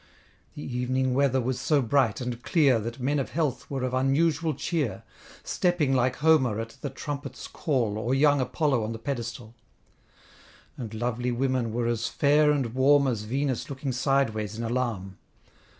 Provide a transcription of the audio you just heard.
The evening weather was so bright, and clear, That men of health were of unusual cheer; Stepping like Homer at the trumpet's call, Or young Apollo on the pedestal: And lovely women were as fair and warm, As Venus looking sideways in alarm.